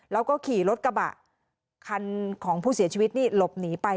แล้วก็ขี่รถกระบะคันของผู้เสียชีวิตนี่หลบหนีไป